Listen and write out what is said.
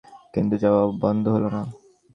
কিন্তু যাওয়া বন্ধ হল না।